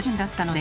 ね